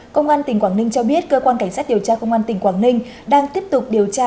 công an tỉnh quảng ninh cho biết cơ quan cảnh sát điều tra công an tỉnh quảng ninh